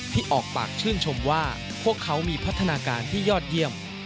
ที่ออกปากชื่นชมว่าพวกเขามีพัฒนาการที่ยอดเยี่ยม